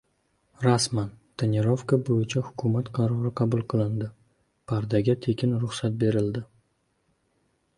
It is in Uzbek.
Rasman! Tonirovka bo‘yicha Hukumat qarori qabul qilindi. Pardaga tekin ruxsat berildi